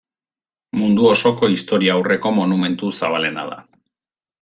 Mundu osoko Historiaurreko monumentu zabalena da.